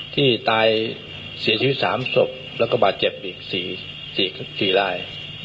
ที่ตายเสียชีวิต๓ศพแล้วก็บาดเจ็บอีก๔ราย